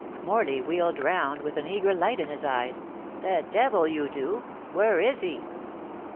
Morley wheeled round with an eager light in his eyes. "The devil you do. Where is he?"